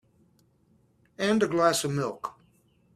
And a glass of milk.